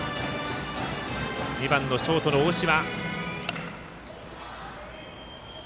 ２番のショートの大島。